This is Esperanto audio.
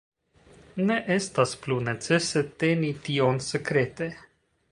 Ne estas plu necese teni tion sekrete.